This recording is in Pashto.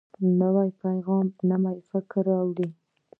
نوی پیغام نوی فکر راوړي